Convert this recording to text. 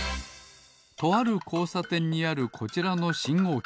とあるこうさてんにあるこちらのしんごうき。